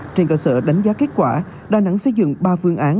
trên cơ sở đánh giá kết quả đà nẵng xây dựng ba phương án